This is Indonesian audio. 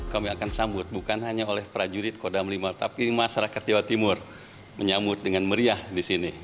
kami akan sambut bukan hanya oleh prajurit kodam lima tapi masyarakat jawa timur menyambut dengan meriah di sini